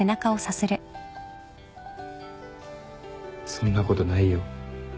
そんなことないよ。